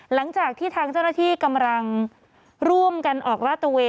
หลังจากที่ทางเจ้าหน้าที่กำลังร่วมกันออกราตเวย